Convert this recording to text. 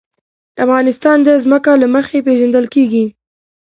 افغانستان د ځمکه له مخې پېژندل کېږي.